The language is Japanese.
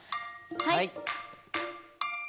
はい。